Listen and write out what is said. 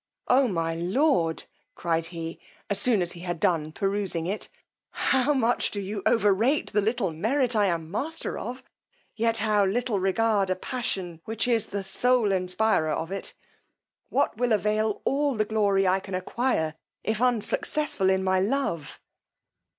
O, my lord! cried he, as soon as he had done perusing it, how much do you over rate the little merit I am master of, yet how little regard a passion which is the sole inspirer of it! what will avail all the glory I can acquire, if unsuccessful in my love!